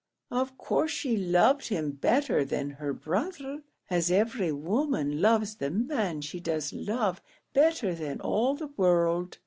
Of course she loved him better than her brother, as every woman loves the man she does love better than all the world.